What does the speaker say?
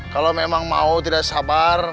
kalau memang mau tidak sabar